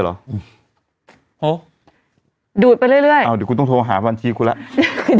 เหรอโอ้ดูดไปเรื่อยเรื่อยอ้าวเดี๋ยวคุณต้องโทรหาบัญชีคุณแล้ว